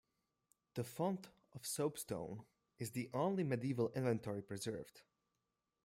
The font of soapstone is the only medieval inventory preserved.